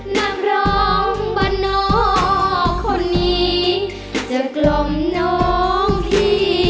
นักร้องบรรโนคนนี้จะกลมน้องพี่